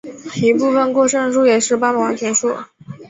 一部分过剩数也是半完全数。